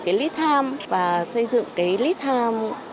chúng tôi đã thay đổi cái lead time và xây dựng cái lead time